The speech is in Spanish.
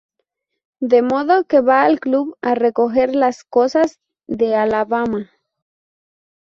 De modo que va al club a recoger las cosas de Alabama.